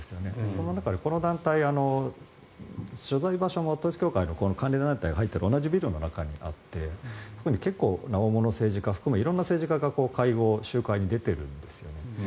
その中で、この団体所在場所も統一教会の関連団体が入っている同じビルの中にあって大物政治家を含めて色んな政治家が会合、集会に出ているんですよね。